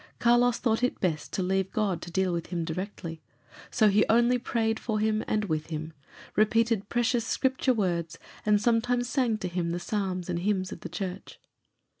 Carlos thought it best to leave God to deal with him directly, so he only prayed for him and with him, repeated precious Scripture words, and sometimes sang to him the psalms and hymns of the Church.